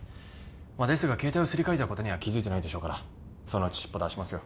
まあですが携帯をすり替えたことには気づいてないでしょうからそのうち尻尾出しますよ